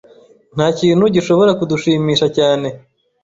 Ntakintu gishobora kudushimisha cyane.